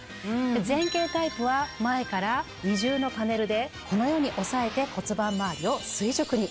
前傾タイプは前から二重のパネルでこのように押さえて骨盤周りを垂直に。